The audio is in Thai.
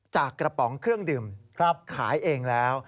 จากกระป๋องเครื่องดื่มขายเองแล้ว